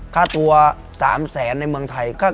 ค่าตัว๓แสนในเมืองไทย